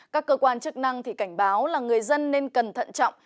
các cơ quan chức năng cảnh báo là người dân nên cẩn thận trọng